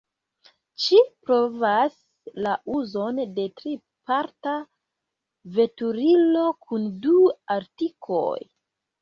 Ĝi provas la uzon de triparta veturilo kun du artikoj.